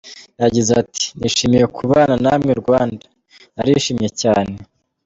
Yagize ati “Nishimiye kubana namwe Rwanda, narishimye cyane.